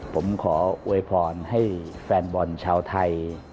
ผมขออวยพรให้แฟนบอลชาวไทย